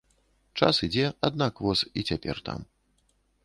Час ідзе, аднак воз і цяпер там.